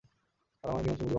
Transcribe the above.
আর আমার নিমন্ত্রণ বুঝি বন্ধ?